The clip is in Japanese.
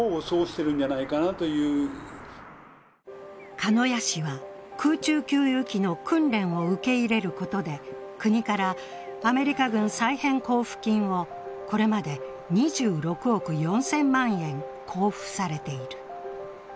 鹿屋市は、空中給油機の訓練を受け入れることで国からアメリカ軍再編交付金をこれまで２６億４０００万円交付されている。